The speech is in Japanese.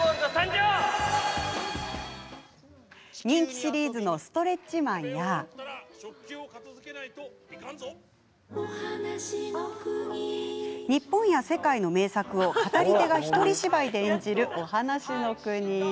人気シリーズの「ストレッチマン」や日本や世界の名作を語り手が一人芝居で演じる「おはなしのくに」。